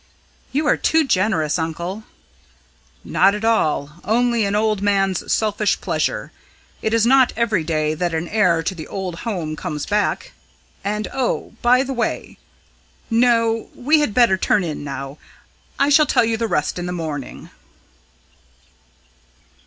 "You are too generous, uncle!" "Not at all. Only an old man's selfish pleasure. It is not every day that an heir to the old home comes back. And oh, by the way ... No, we had better turn in now I shall tell you the rest in the morning."